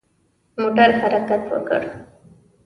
موټر حرکت وکړ.